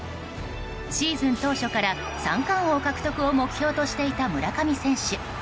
シーズン当初から三冠王獲得を目標としていた村上選手。